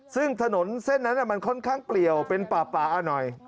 ซึ่งถนนเส้นนั้นมันค่อนข้างเปลี่ยวเป็นป่าหน่อย